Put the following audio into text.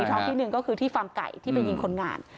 ท้องที่หนึ่งก็คือที่ฟาร์มไก่ที่ไปยิงคนงาน